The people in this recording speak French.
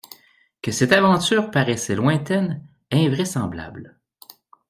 Que cette aventure paraissait lointaine, invraisemblable.